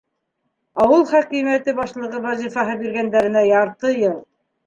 Ауыл хакимиәте башлығы вазифаһы биргәндәренә ярты йыл.